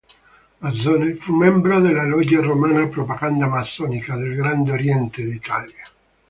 Massone, fu membro della loggia romana "Propaganda massonica" del Grande Oriente d'Italia..